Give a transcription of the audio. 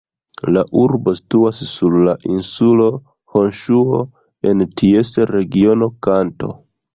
La urbo situas sur la insulo Honŝuo, en ties regiono Kanto.